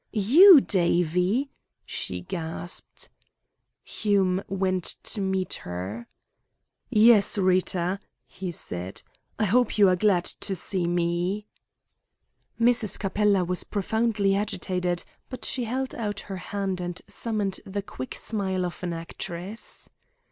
"You, Davie!" she gasped. Hume went to meet her. "Yes, Rita," he said. "I hope you are glad to see me." Mrs. Capella was profoundly agitated, but she held out her hand and summoned the quick smile of an actress.